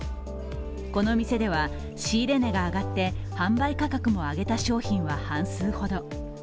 この店では、仕入れ値が上がって、販売価格も上げた商品は半数ほど。